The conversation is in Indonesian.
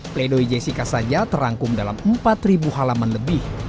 play doh jessica saja terangkum dalam empat ribu halaman lebih